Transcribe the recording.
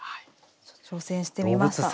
挑戦してみました。